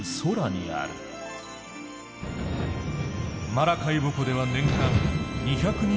マラカイボ湖では年間２００日